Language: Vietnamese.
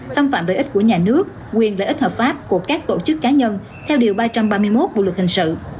xâm phạm lợi ích của nhà nước quyền lợi ích hợp pháp của các tổ chức cá nhân theo điều ba trăm ba mươi một bộ luật hình sự